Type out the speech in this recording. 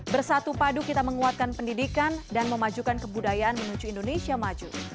bersatu padu kita menguatkan pendidikan dan memajukan kebudayaan menuju indonesia maju